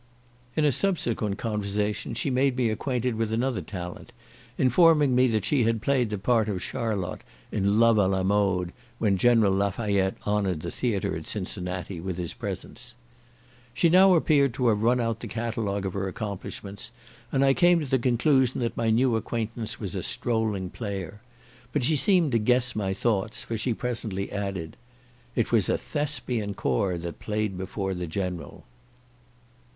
In a subsequent conversation she made me acquainted with another talent, informing me that she had played the part of Charlotte, in Love à la mode, when General Lafayette honoured the theatre at Cincinnati with his presence. She now appeared to have run out the catalogue of her accomplishments; and I came to the conclusion that my new acquaintance was a strolling player: but she seemed to guess my thoughts, for she presently added. "It was a Thespian corps that played before the General."